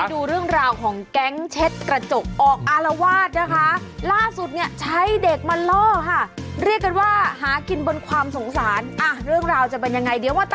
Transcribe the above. ตัวเนื้อคุณจุดงกด